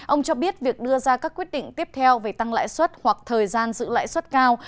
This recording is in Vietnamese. ông cho biết việc đưa ra các quyết định tiếp theo về tăng lãi suất hoặc thời gian giữ lãi suất cao